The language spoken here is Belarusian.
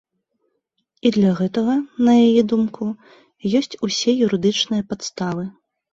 І для гэтага, на яе думку, ёсць усе юрыдычныя падставы.